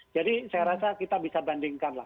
jadi saya rasa kita bisa bandingkan lah